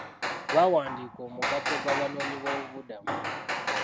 Baawandiika omugatte gw'abanoonyi b'obubuddamu.